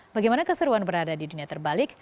bagaimana keseruan berada di dunia terbalik